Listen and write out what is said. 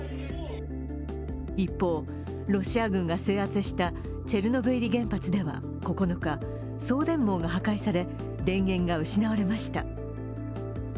一方、ロシア軍が制圧したチェルノブイリ原発では９日、送電網が破壊され電源が失われました。